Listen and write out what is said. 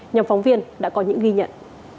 nhà phóng viên đã có những ghi nhận